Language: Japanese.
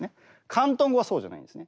広東語はそうじゃないんですね。